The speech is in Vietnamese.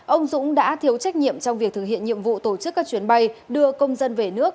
ông dũng đã thiếu trách nhiệm trong việc thực hiện nhiệm vụ tổ chức các chuyến bay đưa công dân về nước